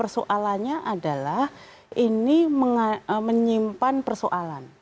soalannya adalah ini menyimpan persoalan